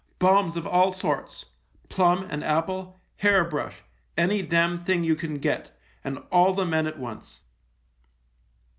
" Bombs of all sorts — plum and apple, hair brush, any damn thing you can get, and all the men at once